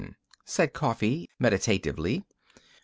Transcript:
said Coffee meditatively.